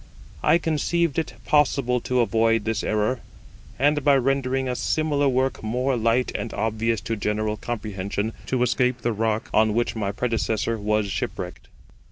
I conceived it possible to avoid this error; and, by rendering a similar work more light and obvious to general comprehension, to escape the rock on which my predecessor was shipwrecked.